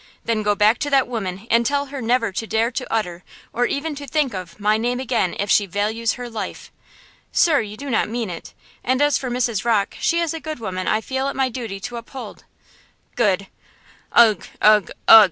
"Then go back to that woman and tell her never to dare to utter, or even to think of, my name again, if she values her life!" "Sir, you do not mean it! and as for Mrs. Rocke, she is a good woman I feel it my duty to uphold!" "Good! ugh!